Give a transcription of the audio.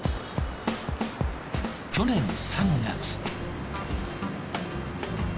去年３月。